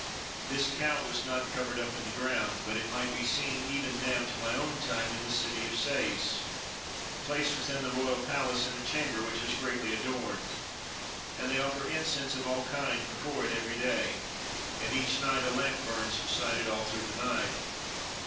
This cow was not covered up in the ground, but it might be seen even down to my own time in the city of Sais, placed within the royal palace in a chamber which was greatly adorned; and they offer incense of all kinds before it every day, and each night a lamp burns beside it all through the night.